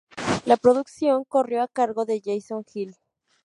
La producción corrió a cargo de Jason Hill.